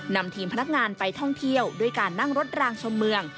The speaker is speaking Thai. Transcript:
นำทีมพนักงานไปท่องเที่ยวด้วยการนั่งรถรางชมเมือง